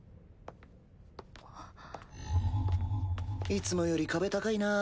いつもより壁高いなぁ。